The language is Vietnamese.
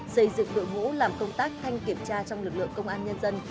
xây dựng đội ngũ làm công tác thanh kiểm tra trong lực lượng công an nhân dân